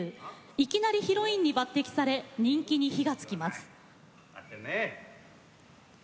いきなりヒロインに抜てきされ人気に火がつきます。